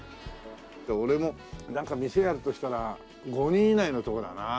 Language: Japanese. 俺もなんか店やるとしたら５人以内のとこだな。